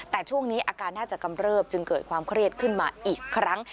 แต่ช่วงนี้อาการน่าจะกำเริบจึงเกิดความเครียดขึ้นมาอีกครั้ง